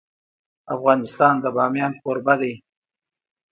افغانستان د بامیان کوربه دی.